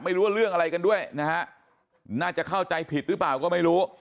ไม่รู้ว่าเรื่องอะไรกันด้วยนะฮะน่าจะเข้าใจผิดหรือเปล่าก็ไม่รู้